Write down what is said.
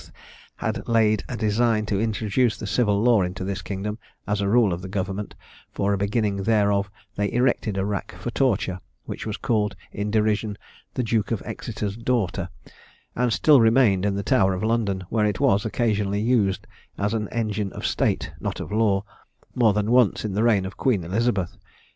had laid a design to introduce the civil law into this kingdom, as the rule of government, for a beginning thereof they erected a rack for torture, which was called in derision the Duke of Exeter's daughter, and still remained in the Tower of London, where it was occasionally used as an engine of state, not of law, more than once in the reign of Queen Elizabeth.